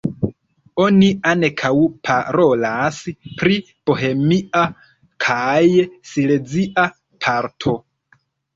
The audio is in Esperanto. Oni ankaŭ parolas pri bohemia kaj silezia parto.